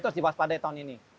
harus diwaspadai tahun ini